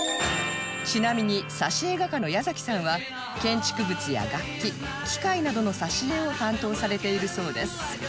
ちなみに挿絵画家の矢崎さんは建築物や楽器機械などの挿絵を担当されているそうです